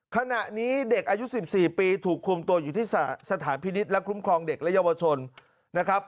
ขณะนี้เด็กอายุ๑๔ปีถูกคุมตัวอยู่ที่สถานพินิษฐ์และคุ้มครองเด็กและเยาวชนนะครับ